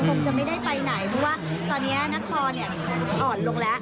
คงจะไม่ได้ไปไหนเพราะว่าตอนนี้นครอ่อนลงแล้ว